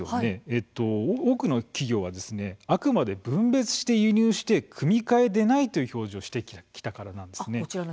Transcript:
多くの企業はあくまで分別して輸入して「遺伝子組み換えでない」という表示をしてきたからなんです。